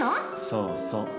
そうそう。